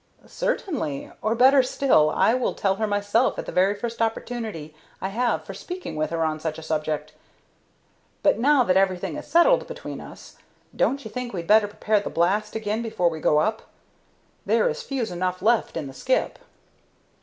"Certainly; or, better still, I will tell her myself at the very first opportunity I have for speaking with her on such a subject. But, now that everything is settled between us, don't you think we'd better prepare the blast again before we go up? There is fuse enough left in the skip."